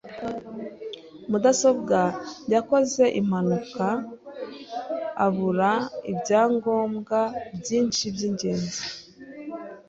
Mudasobwa ya yakoze impanuka abura ibyangombwa byinshi byingenzi.